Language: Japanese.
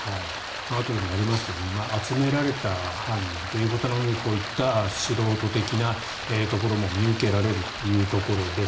あとでもやりますが集められた犯人ということなのでこういった素人的なところも見受けられるということです。